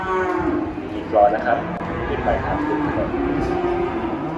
กี่ฟลอร์นะครับ ยื่นไมค์ถามคุณพนล